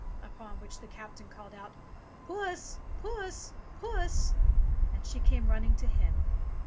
Upon which the captain called out, "Puss, puss, puss," and she came running to him.